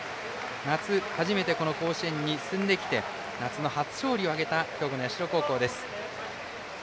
夏、初めてこの甲子園に進んできて夏の初勝利を挙げた兵庫の社高校です。